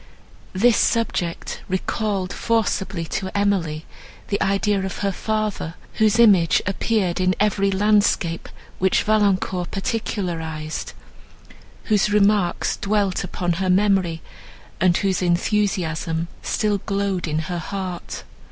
This subject recalled forcibly to Emily the idea of her father, whose image appeared in every landscape, which Valancourt particularized, whose remarks dwelt upon her memory, and whose enthusiasm still glowed in her heart.